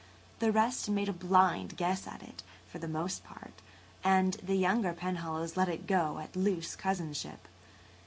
The rest made a blind guess at it, for the most part, and the younger Penhallows let it go at loose cousinship.